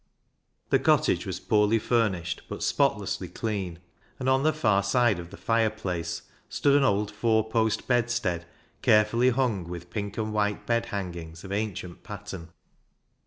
The cottage was poorly furnished but spot lessly clean, and on the far side of the fireplace stood an old four post bedstead carefully hung with pink and white bed hangings of ancient pattern.